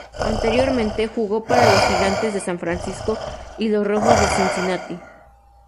Anteriormente jugó para los Gigantes de San Francisco y los Rojos de Cincinnati.